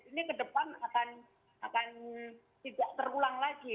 ini ke depan akan tidak terulang lagi